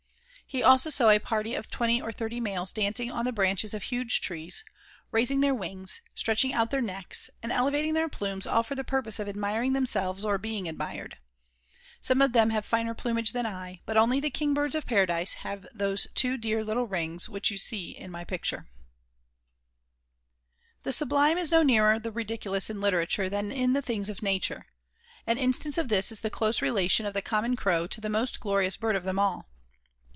He also saw a party of twenty or thirty males dancing on the branches of huge trees, raising their wings, stretching out their necks and elevating their plumes all for the purpose of admiring themselves or being admired. Some of them have finer plumage than I, but only the KINGBIRDS OF PARADISE have those two dear little rings which you see in my picture. [Illustration: From col. Mr. F. Kaempfer. KINGBIRD OF PARADISE. 3/4 Life size. Copyright by Nature Study Pub. Co., 1898. Chicago.] The sublime is no nearer the ridiculous in literature than in the things of nature. An instance of this is the close relation of the common Crow to the most glorious bird of them all.